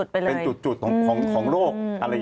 เป็นจุดของโรค